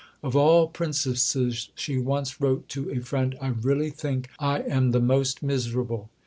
"Of all princesses," she once wrote to a friend, "I really think I am the most miserable."